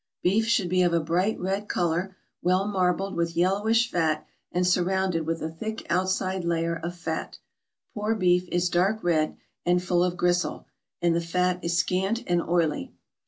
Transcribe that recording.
Beef should be of a bright red color, well marbled with yellowish fat, and surrounded with a thick outside layer of fat; poor beef is dark red, and full of gristle, and the fat is scant and oily.